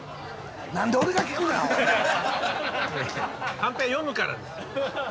カンペ読むからですよ。